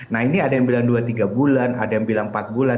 nah ini ada yang bilang dua tiga bulan ada yang bilang empat bulan